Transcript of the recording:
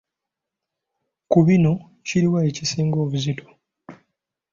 Ku bino kiri wa ekisinga obuzito?